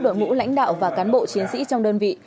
đội ngũ lãnh đạo và cán bộ chiến sĩ trong đơn vị